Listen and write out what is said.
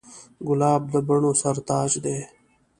ګلاب د بڼو سر تاج دی.